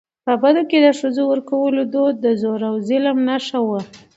په بدو کي د ښځو ورکولو دود د زور او ظلم نښه وه .